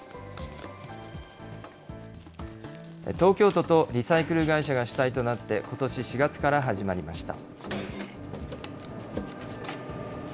東京都とリサイクル会社が主体となって、ことし４月から始まりました。